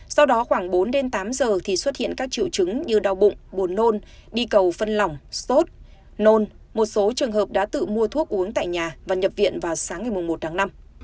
sau đó khoảng bốn đến tám giờ thì xuất hiện các triệu chứng như đau bụng buồn nôn đi cầu phân lỏng stot nôn một số trường hợp đã tự mua thuốc uống tại nhà và nhập viện vào sáng ngày một tháng năm